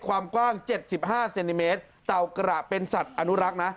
ความกว้าง๗๕เซนติเมตรเต่ากระเป็นสัตว์อนุรักษ์นะ